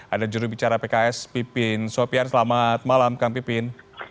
ada jurubicara pks pipin sopian selamat malam kang pipin